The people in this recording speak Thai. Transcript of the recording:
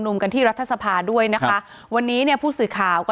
กันที่รัฐสภาด้วยนะคะวันนี้เนี่ยผู้สื่อข่าวก็